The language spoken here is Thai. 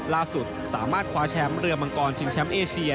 ล่าสุดสามารถคว้าแชมป์เรือมังกรชิงแชมป์เอเชีย